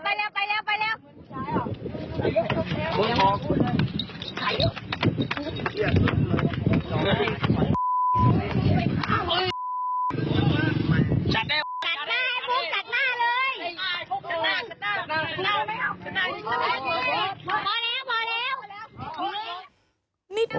ชัดหน้าไอ้พวกชัดหน้าเลย